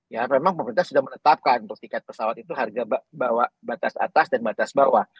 ya memang pemerintah sudah menetapkan untuk tiket pesawat itu harga batas atas dan batas bawah